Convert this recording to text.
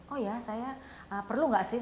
oh ya saya perlu nggak sih